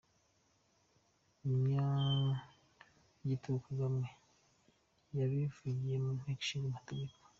Umunyagitugu Kagame yabivugiye mu nteko ishinga mategeko.